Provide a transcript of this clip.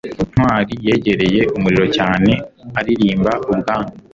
ntwali yegereye umuriro cyane aririmba ubwanwa